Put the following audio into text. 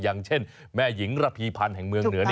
อย่างเช่นแม่หญิงระพีพันธ์แห่งเมืองเหนือ